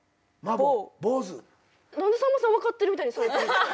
何でさんまさん分かってるみたいにされてるんですか？